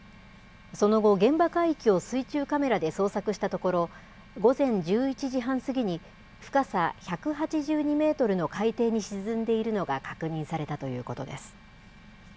その後、現場海域を水中カメラで捜索したところ、午前１１時半過ぎに、深さ１８２メートルの海底に沈んでいるのが確認されたということです。